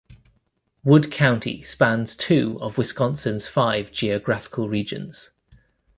Wood County spans two of Wisconsin's five geographical regions.